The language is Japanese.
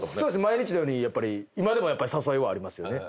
毎日のようにやっぱり今でも誘いはありますよね。